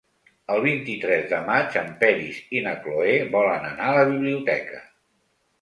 El vint-i-tres de maig en Peris i na Cloè volen anar a la biblioteca.